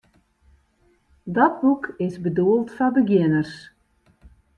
Dat boek is bedoeld foar begjinners.